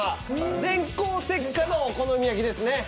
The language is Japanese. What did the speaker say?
電光石火のお好み焼きですね。